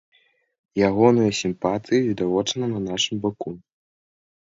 Ягоныя сімпатыі відавочна на нашым баку.